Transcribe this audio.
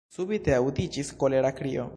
Subite aŭdiĝis kolera krio!